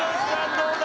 どうだ？